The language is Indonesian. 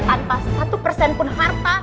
tanpa satu persen pun harta